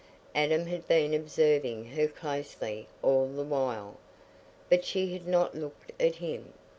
Adam had been observing her closely all the while, but she had not looked at him.